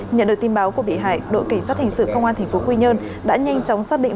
nhận được tin báo của bị hại đội cảnh sát hình sự công an tp quy nhơn đã nhanh chóng xác định